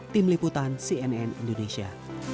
tim liputan cnn indonesia